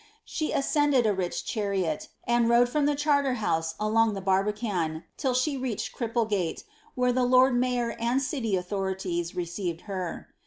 She ascended a rich chariot, and rode from the Charter Hc»use along the Barbican, till she reached Cripplegate, where the lord iDayor and city authorities received her.